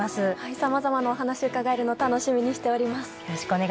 さまざまなお話を伺えるの楽しみにしております。